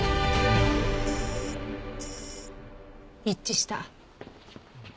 一致した。